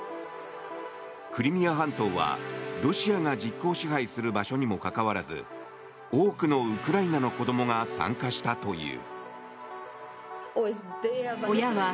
クリミア半島は、ロシアが実効支配する場所にもかかわらず多くのウクライナの子供が参加したという。